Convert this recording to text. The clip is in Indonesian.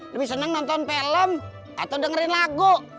lebih senang nonton film atau dengerin lagu